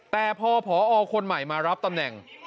แต่พอผอคนใหม่มารับตำแหน่ง